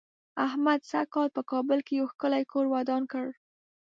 احمد سږ کال په کابل کې یو ښکلی کور ودان کړ.